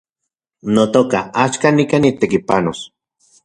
Notoka, axkan nikan nitekipanos